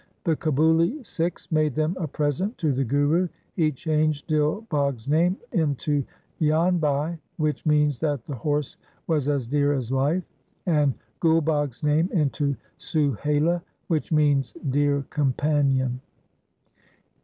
The Kabuli Sikhs made them a present to the Guru. He changed Dil Bagh's name into Jan Bhai, which means that the horse was as dear as life, and Gul Bagh's name into Suhela, which means dear com panion.